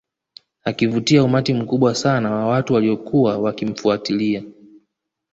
Akivutia umati mkubwa sana wa watu walio kuwa wakimfuatilia